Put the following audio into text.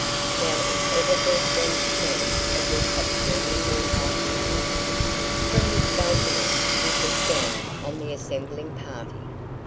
Now if ever there seemed a chance of recapturing the moonlight vision... From his balcony he looked down on the assembling party.